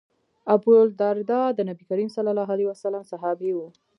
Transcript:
ابوالدرداء د نبي کریم ص صحابي و.